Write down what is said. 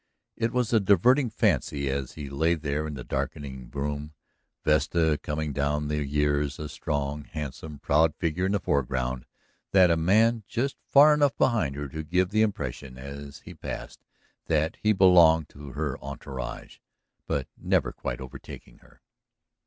It was a diverting fancy as he lay there in the darkening room, Vesta coming down the years a strong, handsome, proud figure in the foreground, that man just far enough behind her to give the impression as he passed that he belonged to her entourage, but never quite overtaking her.